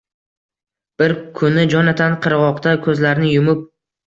Bir kuni Jonatan qirg‘oqda ko‘zlarini yumib